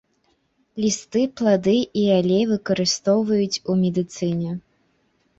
Лісты, плады і алей выкарыстоўваюць у медыцыне.